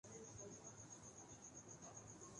کچھ بھی نہیں۔